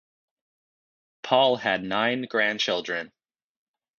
Paul had nine grandchildren.